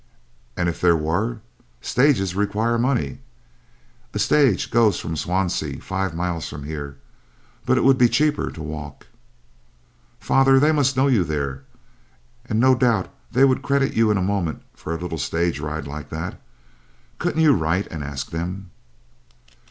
"And if there were, stages require money. A stage goes from Swansea, five miles from here. But it would be cheaper to walk." "Father, they must know you there, and no doubt they would credit you in a moment, for a little stage ride like that. Couldn't you write and ask them?"